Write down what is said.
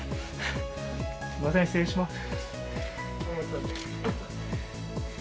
すいません失礼します。